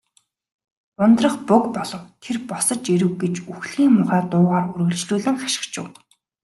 "Ундрах буг болов. Тэр босож ирэв" гэж үхлийн муухай дуугаар үргэлжлэн хашхичив.